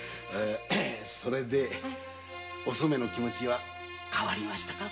それでお染の気持ちは変わりましたか？